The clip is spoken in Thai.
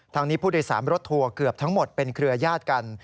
นี้ผู้โดยสารรถทัวร์เกือบทั้งหมดเป็นเครือญาติกัน